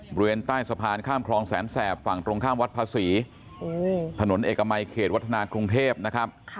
บริเวณใต้สะพานข้ามคลองแสนแสบฝั่งตรงข้ามวัดภาษีถนนเอกมัยเขตวัฒนากรุงเทพนะครับ